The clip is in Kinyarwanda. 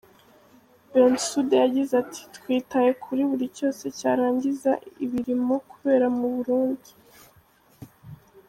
Bensouda yagize ati "Twitaye kuri buri cyose cyarangiza ibirimo kubera mu Burundi.